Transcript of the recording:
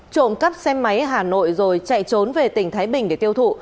trộm cắp xe máy hà nội rồi chạy trốn về tỉnh thái bình để tiêu thụ